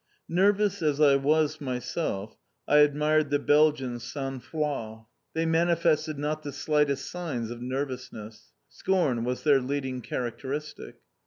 Nervous as I was myself, I admired the Belgians' sangfroid. They manifested not the slightest signs of nervousness. Scorn was their leading characteristic.